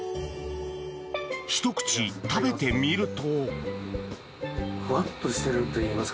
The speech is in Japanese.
ひと口食べてみると。